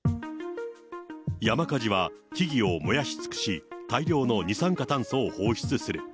山火事は木々を燃やし尽くし、大量の二酸化炭素を放出する。